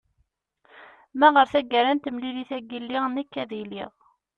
ma ɣer tagara n temlilit-agi lliɣ nekk ad iliɣ